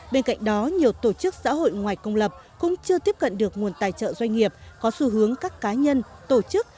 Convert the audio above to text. bên cạnh đó nhiều tổ chức xã hội ngoài công lập cũng chưa tiếp cận được nguồn tài trợ doanh nghiệp có xu hướng các cá nhân tổ chức